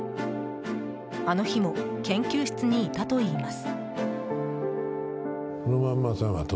あの日も研究室にいたといいます。